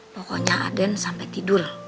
pokoknya aden sampai tidur